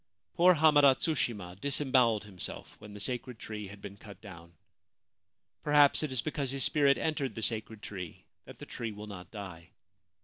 Poor Hamada Tsushima disembowelled himself when the sacred tree had been cut down. Perhaps it is because his spirit entered the sacred tree that the tree will not die.